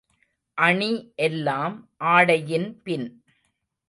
அணி எல்லாம் ஆடையின்பின்.